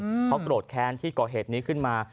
เพราะโกรธแค้นที่ก่อเหตุนี้ขึ้นมา